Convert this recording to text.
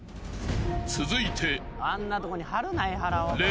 ［続いて］